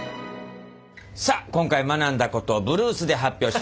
さあ今回学んだことをブルースで発表してもらいましょう。